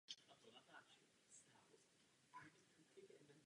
Získal také funkci tajného rádce.